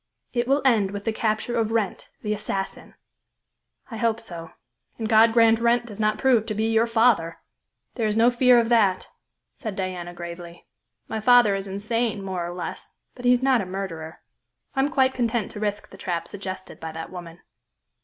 "It will end with the capture of Wrent, the assassin." "I hope so; and God grant Wrent does not prove to be your father!" "There is no fear of that," said Diana gravely. "My father is insane more or less, but he is not a murderer. I am quite content to risk the trap suggested by that woman."